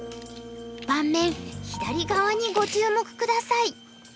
盤面左側にご注目下さい。